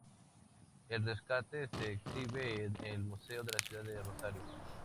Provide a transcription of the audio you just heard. El rescate se exhibe en el Museo de la Ciudad de Rosario.